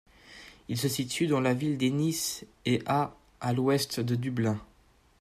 Il se situe à de la ville d'Ennis et à à l'ouest de Dublin.